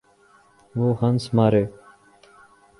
وہ ہنس مارے۔